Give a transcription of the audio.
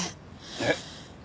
えっ？